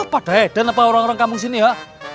pada hedan apa orang orang kampung sini ya